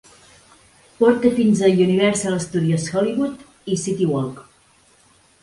Porta fins a Universal Studios Hollywood i City Walk.